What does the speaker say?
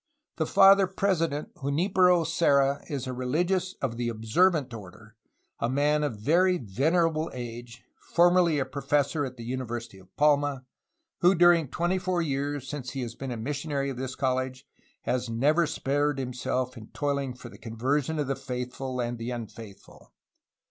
"The Father President Junlpero Serra is a religious of the Observant order/ a man of very venerable age, formerly professor at the University of Palma, who during twenty four years, since he has been a missionary of this college, has never spared him self in toiling for the conversion of the faithful and the unfaith ful.